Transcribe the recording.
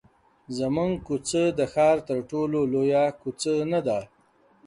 زموږ کوڅه د ښار تر ټولو لویه کوڅه نه ده.